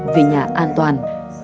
về nhà an toàn